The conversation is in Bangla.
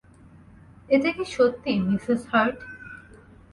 এটা কি সত্যি, মিসেস হার্ট?